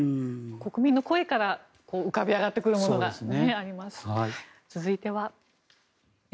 国民の声から浮かび上がってくるものがあります。